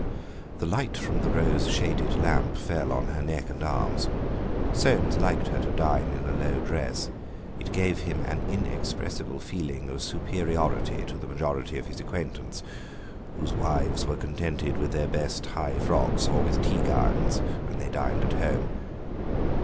The light from the rose shaded lamp fell on her neck and arms—Soames liked her to dine in a low dress, it gave him an inexpressible feeling of superiority to the majority of his acquaintance, whose wives were contented with their best high frocks or with tea gowns, when they dined at home.